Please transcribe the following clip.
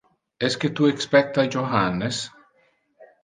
Esque tu expecta Johannes?